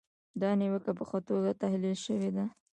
دا نیوکه په ښه توګه تحلیل شوې ده.